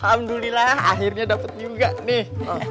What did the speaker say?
alhamdulillah akhirnya dapat juga nih